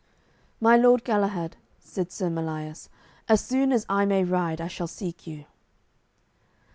"My lord Galahad," said Sir Melias, "as soon as I may ride I shall seek you."